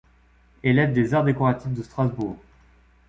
Élève des arts décoratifs de Strasbourg.